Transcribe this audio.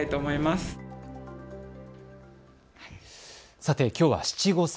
さて、きょうは七五三。